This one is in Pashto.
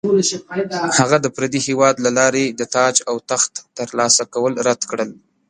هغه د پردي هیواد له لارې د تاج او تخت ترلاسه کول رد کړل.